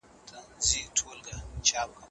ځینې کسان به بدلون احساس کاوه.